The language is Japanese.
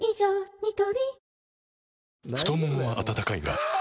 ニトリ太ももは温かいがあ！